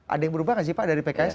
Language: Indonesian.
ada yang berubah gak sih pak dari pks